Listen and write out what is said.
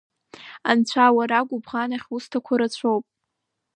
Анцәа, уара гәыбӷан ахьусҭақәо рацәоуп.